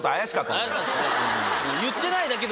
言ってないだけで。